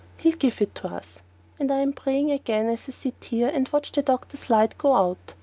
He'll give it to us! And I'm praying again as I sit here and watch for the doctor's light to go out.